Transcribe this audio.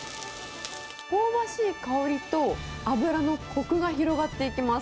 香ばしい香りと脂のこくが広がっていきます。